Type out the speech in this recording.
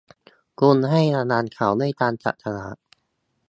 คุณให้รางวัลเขาด้วยการจับสลาก